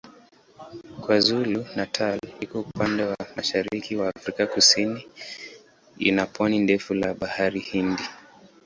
KwaZulu-Natal iko upande wa mashariki wa Afrika Kusini ina pwani ndefu la Bahari Hindi.